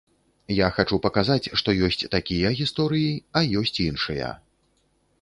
Я хачу паказаць, што ёсць такія гісторыі, а ёсць іншыя.